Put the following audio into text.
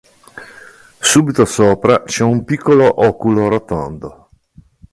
Subito sopra c'è un piccolo oculo rotondo.